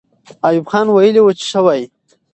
ایوب خان ویلي وو چې ښه وایي.